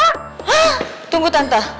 hah tunggu tante